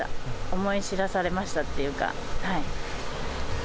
思い知らされましたっていうか、はい。